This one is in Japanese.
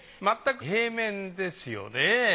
まったく平面ですよね。